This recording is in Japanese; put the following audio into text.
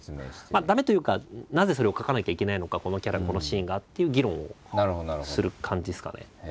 駄目というかなぜそれを描かなきゃいけないのかこのキャラこのシーンがっていう議論をする感じですかね。